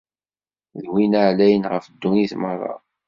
D Win Ɛlayen ɣef ddunit merra.